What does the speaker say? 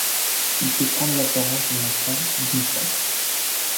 Il peut prendre l'apparence d'un enfant ou d'une femme.